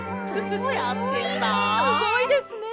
すごいですね。